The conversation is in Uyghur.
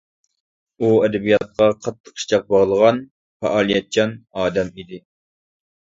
ئۇ ئەدەبىياتقا قاتتىق ئىشتىياق باغلىغان پائالىيەتچان ئادەم ئىدى.